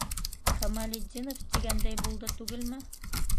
Камалетдинов тигәндәй булды түгелме?